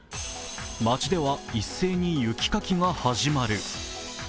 町では一斉に雪かきが始まる。